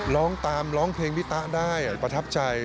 ร้องตามร้องเพลงพี่ตะได้ประทับใจ